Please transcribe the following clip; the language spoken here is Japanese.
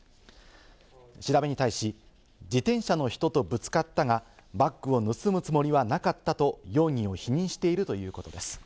調べに対し、自転車の人とぶつかったが、バッグを盗むつもりはなかったと容疑を否認しているということです。